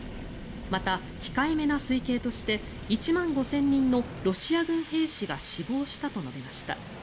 また、控えめな推計として１万５０００人のロシア軍兵士が死亡したと述べました。